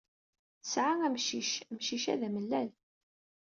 Tesɛa amcic. Amcic-a d amellal.